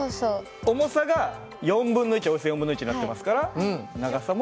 重さが４分の１およそ４分の１になってますから長さも。